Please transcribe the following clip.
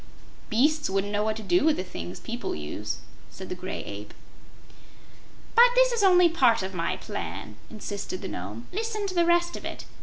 "Beasts wouldn't know what to do with the things people use," said the Gray Ape. "But this is only part of my plan," insisted the Nome. "Listen to the rest of it.